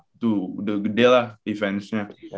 itu udah gede lah eventsnya